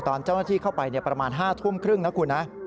ตอนเจ้าหน้าที่เข้าไปประมาณ๕ทุ่มครึ่งนะคุณนะ